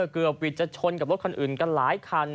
เกือบวิทย์จะชนกับรถคันอื่นกันหลายคัน